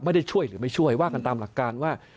ช่วยหรือไม่ช่วยว่ากันตามหลักการว่า